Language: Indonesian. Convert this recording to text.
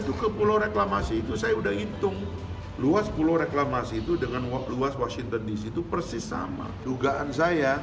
lihat peserta yang sedang dalam materi pelancongan sel destroying the project